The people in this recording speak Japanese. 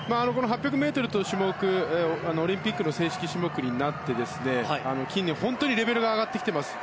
８００ｍという種目オリンピックの正式種目になって近年、本当にレベルが上がってきています。